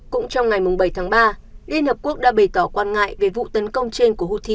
cũng trong ngày bảy tháng ba liên hợp quốc đã bày tỏ quan ngại về vụ tấn công trên của houthi